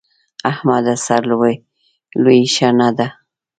احمده! سر لويي ښه نه ده.